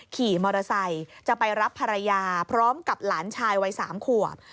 ขี่มอเตอร์ไซค์จะไปรับภรรยาพร้อมกับหลานชายวัย๓ขวบ